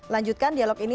lanjutkan dialog ini